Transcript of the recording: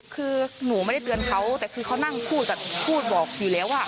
คือหนูไม่ได้เตือนเขาแต่คือเขานั่งพูดแต่พูดบอกอยู่แล้วว่า